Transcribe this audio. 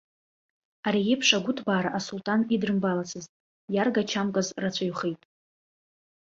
Ари еиԥш агәыҭбаара асулҭан идрымбалацызт, иаргачамкыз рацәаҩхеит.